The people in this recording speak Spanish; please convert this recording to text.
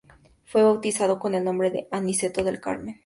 Fue bautizado con el nombre de Aniceto del Carmen.